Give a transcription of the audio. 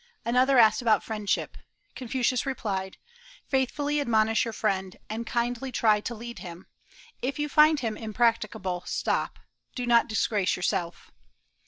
Another asked about friendship. Confucius replied: "Faithfully admonish your friend, and kindly try to lead him. If you find him impracticable, stop. Do not disgrace yourself."